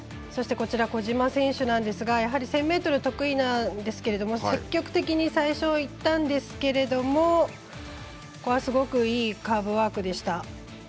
こちら小島選手なんですがやはり１０００ｍ得意なんですけれども積極的に最初いったんですけれどもここはすごくいいカーブワークでした。